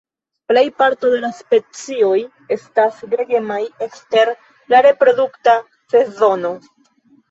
Plejparto de specioj estas gregemaj ekster la reprodukta sezono.